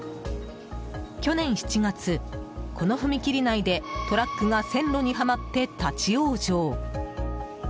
去年７月、この踏切内でトラックが線路にはまって立ち往生。